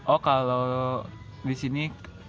oh kalau disini perjalanan